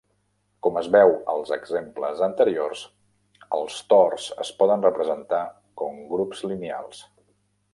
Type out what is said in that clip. Com es veu als exemples anteriors, els tors es poden representar com grups lineals.